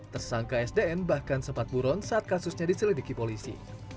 tersangka sdn bahkan sempat buron saat kasusnya diselidiki polisi